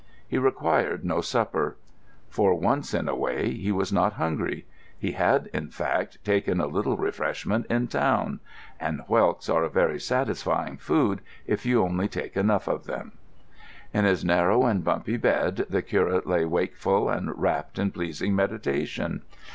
He required no supper. For once in a way he was not hungry. He had, in fact, taken a little refreshment in town; and whelks are a very satisfying food, if you only take enough of them. In his narrow and bumpy bed the curate lay wakeful and wrapped in pleasing meditation.